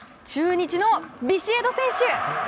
中日のビシエド選手。